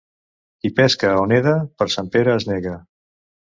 Qui pesca o neda per Sant Pere es nega.